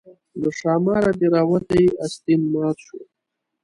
له ښاماره دې راوتى استين مات شو